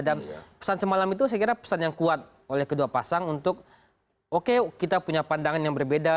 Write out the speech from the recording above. dan pesan semalam itu saya kira pesan yang kuat oleh kedua pasang untuk oke kita punya pandangan yang berbeda